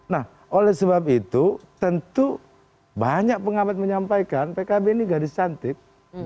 nah oleh sebab itu tentu banyak pengamat menyampaikan pkb ini gadis cantik